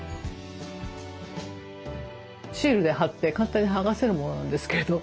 シールで貼って簡単に剥がせるものなんですけれど。